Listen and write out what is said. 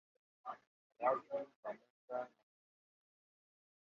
Rasmi pamoja na nyingine.